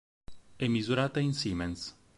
È misurata in siemens.